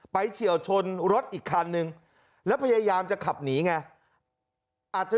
เฉียวชนรถอีกคันนึงแล้วพยายามจะขับหนีไงอาจจะ